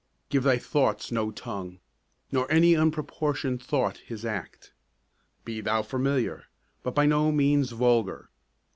Give thy thoughts no tongue, Nor any unproportioned thought his act. Be thou familiar, but by no means vulgar.